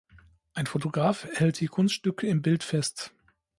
Ein Fotograf hält die Kunststücke im Bild fest.